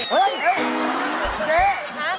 เฮ้ยเจ๊